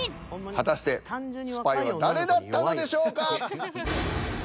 果たしてスパイは誰だったのでしょうか？